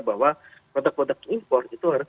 bahwa produk produk impor itu harus